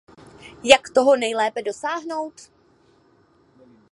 Jak toho nejlépe dosáhnout?